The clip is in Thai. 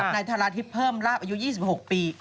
นายธาราทิพย์เพิ่มลาบอายุ๒๖ปี